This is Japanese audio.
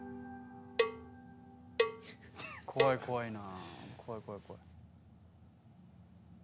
怖い怖いな。